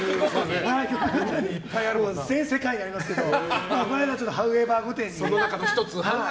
全世界にありますけどその中のハウエバー御殿に。